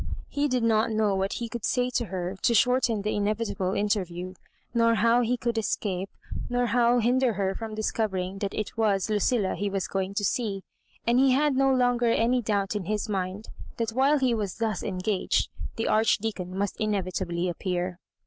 He did not know what he could say to her to shorten the inevi table interview, nor how he could escape, nor how hinder her from discovering that it was Lucilla he was g^ing to see; and he had no longer any doubt in his mind that while he was thus engaged the Archdeacon must inevitably appear.